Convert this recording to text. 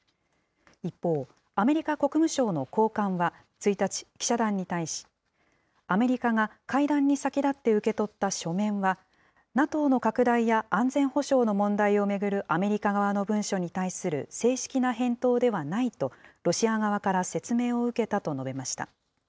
一方、アメリカ国務省の高官は１日、記者団に対し、アメリカが会談に先立って受け取った書面は、ＮＡＴＯの拡大や安全保障の問題を巡るアメリカ側の文書に対する正式な返答ではないと、ロシア側から説明を受けたと述べました。